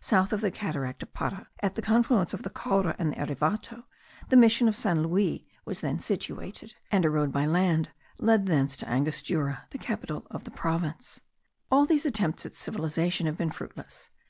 South of the cataract of Para, at the confluence of the Caura and the Erevato, the mission of San Luis was then situated; and a road by land led thence to Angostura, the capital of the province. All these attempts at civilization have been fruitless.